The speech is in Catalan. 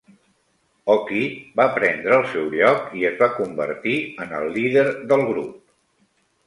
Ohki va prendre el seu lloc i es va convertir en el líder del grup.